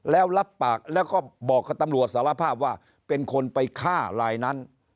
แล้วรับปากแล้วก็บอกกับตำรวจสารภาพว่าเป็นคนไปฆ่าลายนั้น